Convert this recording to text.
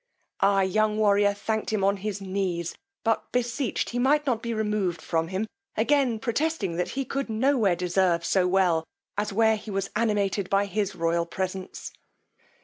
Our young warrior thanked him on his knees, but beseeched he might not be removed from him, again protesting that he could no were deserve so well, as where he was animated by his royal presence.